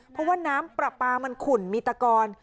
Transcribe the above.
เพราะว่าน้ำปลาปลามันขุ่นมีตะกอน